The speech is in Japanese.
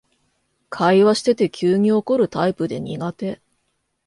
会話してて急に怒るタイプで苦手